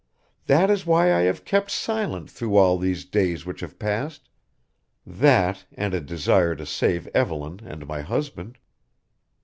That is why I have kept silent through all these days which have passed that and a desire to save Evelyn and my husband."